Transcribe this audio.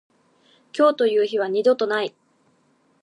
今日という日は二度とない。